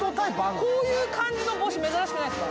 こういう感じの帽子、珍しくないですか？